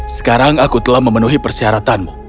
sekarang aku telah memenuhi persyaratanmu